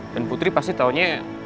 dan putri pasti taunya